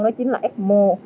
đó chính là ecmo